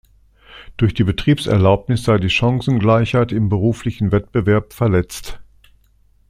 Durch die Betriebserlaubnis sei die Chancengleichheit im beruflichen Wettbewerb verletzt.